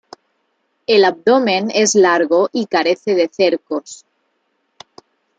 El abdomen es largo y carece de cercos.